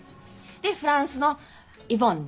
でフランスのイボンヌ。